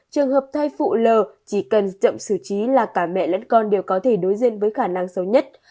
trường hợp thai phụ lờ chỉ cần chậm xử trí là cả mẹ lẫn con đều có thể đối diện với khả năng xấu nhất